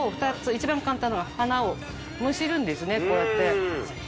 一番簡単なのは花をむしるんですねこうやって。